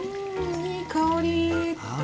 いい香り！